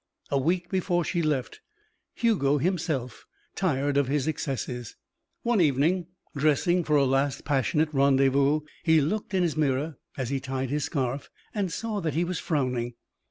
A week before she left, Hugo himself tired of his excesses. One evening, dressing for a last passionate rendezvous, he looked in his mirror as he tied his scarf and saw that he was frowning.